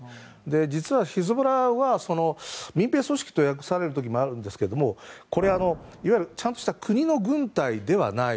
実はヒズボラは民兵組織と訳される時もあるんですけどもこれ、いわゆるちゃんとした国の軍隊ではない。